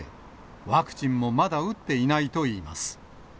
ワクチンもまだ打っていないといいます。